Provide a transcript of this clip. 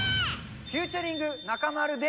フューチャリング中丸で。